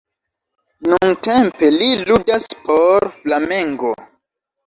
Nuntempe li ludas por Flamengo.